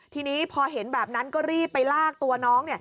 ทีนี้พอเห็นแบบนั้นก็รีบไปลากตัวน้อง